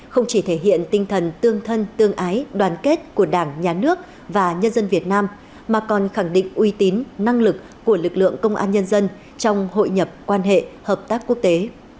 không chỉ thể hiện tinh thần tương thân tương ái đoàn kết của đảng nhà nước và nhân dân việt nam mà còn khẳng định uy tín năng lực của lực lượng công an nhân dân trong hội nhập quan hệ hợp tác quốc tế